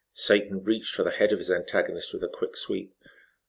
Satan reached for the head of his antagonist with a quick sweep.